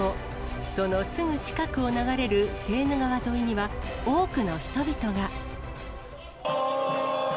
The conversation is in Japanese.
そのすぐ近くを流れるセーヌ川沿いには、多くの人々が。